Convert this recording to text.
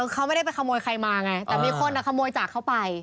เขาไม่ได้ไปขโมยใครมาไงแต่มีคนขโมยจากเขาไป